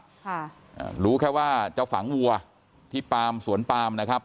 ค่ะอ่ารู้แค่ว่าจะฝังวัวที่ปามสวนปามนะครับ